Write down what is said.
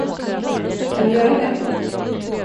Kan vi göra det?